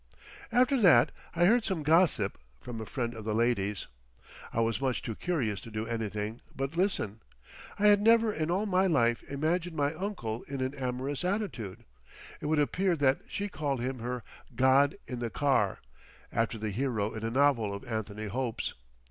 After that I heard some gossip—from a friend of the lady's. I was much too curious to do anything but listen. I had never in all my life imagined my uncle in an amorous attitude. It would appear that she called him her "God in the Car"—after the hero in a novel of Anthony Hope's.